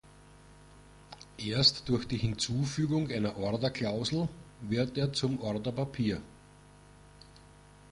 Erst durch die Hinzufügung einer Orderklausel wird er zum Orderpapier.